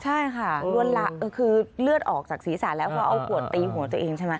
ใช่ค่ะคือเลือดออกจากศีรษะแล้วเพราะเอาขวดตีหัวตัวเองใช่ไหม